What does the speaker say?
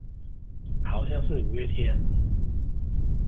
好像是五月天